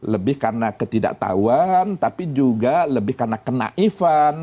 lebih karena ketidaktahuan tapi juga lebih karena kenaifan